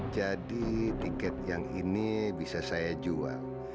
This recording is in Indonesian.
jadi tiket yang ini bisa saya jual